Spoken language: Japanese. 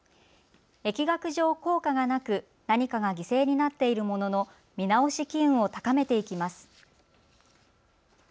疫学上、効果がなく何かが犠牲になっているものの見直し機運を高めていきます。